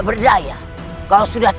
k mau kerja atau berusaha